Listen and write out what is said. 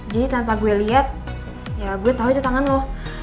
jadi tanpa gue liat ya gue tau itu tangan lo